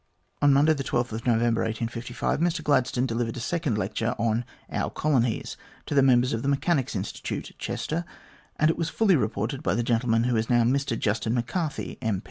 On Monday, November 12, 1855, Mr Gladstone delivered a second lecture on " Our Colonies " to the members of the Mechanics' Institute, Chester, and it was fully reported by the gentleman who is now Mr Justin McCarthy, M.